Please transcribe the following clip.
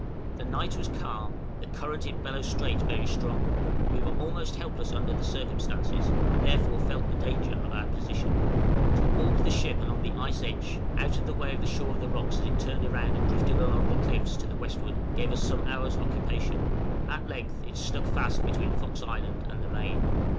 The night was calm, the current in Bellot Strait very strong; we were almost helpless under the circumstances, and therefore felt the danger of our position. To warp the ship along the ice edge, out of the way of the shore and rocks as it turned round and drifted along the cliffs to the westward, gave us some hours' occupation. At length it stuck fast between Fox Island and the main.